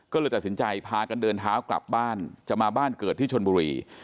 ก็เลยตัดสินใจพากันเดินเท้ากลับบ้านจะมาบ้านเกิดที่ชนบุรี